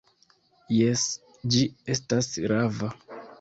Jes, ĝi estas rava!